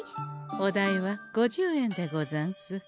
お代は五十円でござんす。